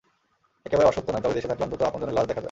একেবারে অসত্য নয়, তবে দেশে থাকলে অন্তত আপনজনের লাশ দেখা যায়।